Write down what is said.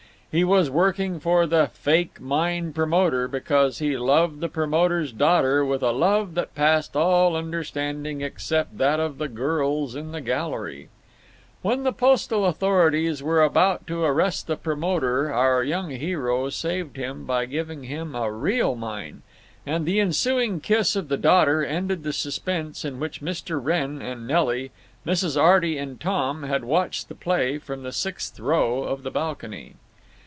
He was working for the "fake mine promoter" because he loved the promoter's daughter with a love that passed all understanding except that of the girls in the gallery. When the postal authorities were about to arrest the promoter our young hero saved him by giving him a real mine, and the ensuing kiss of the daughter ended the suspense in which Mr. Wrenn and Nelly, Mrs. Arty and Tom had watched the play from the sixth row of the balcony.